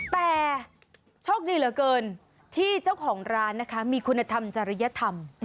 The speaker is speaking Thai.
แต่โชคดีเหลือเกินที่เจ้าของร้านนะคะมีคุณธรรมจริยธรรม